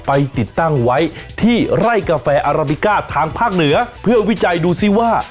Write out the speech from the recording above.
ไปติดตั้งไว้ที่ไร่กาแฟอาราบิก้าทางภาคเหนือเพื่อวิจัยดูซิว่า